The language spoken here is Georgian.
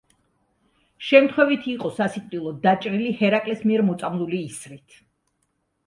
შემთხვევით იყო სასიკვდილოდ დაჭრილი ჰერაკლეს მიერ მოწამლული ისრით.